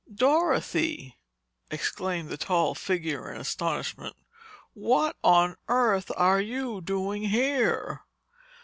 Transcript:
"Dorothy!" exclaimed the tall figure in astonishment. "What on earth are you doing here?"